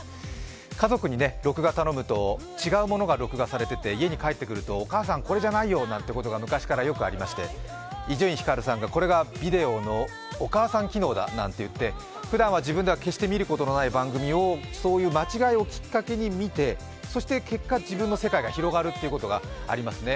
家族に録画を頼むと違うものが録画されてて家に帰ってくると、お母さん、これじゃないよということが昔からよくありまして、伊集院光さんがこれがビデオのお母さん機能だなんて言ってふだんは自分では決して見ることのない番組をそういう間違いをきっかけに見て、結果、自分の世界が広がるということがありますね。